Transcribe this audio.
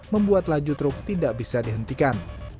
membuat laju truk tidak bisa dihentikan